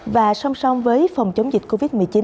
và song song với phòng chống dịch covid một mươi chín